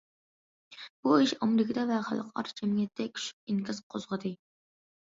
بۇ ئىش ئامېرىكىدا ۋە خەلقئارا جەمئىيەتتە كۈچلۈك ئىنكاس قوزغىدى.